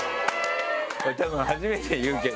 これたぶん初めて言うけど。